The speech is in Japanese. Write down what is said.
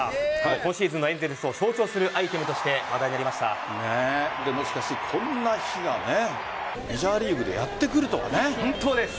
今シーズンのエンゼルスを象徴するアイテムとしてこんな日がメジャーリーグで本当です。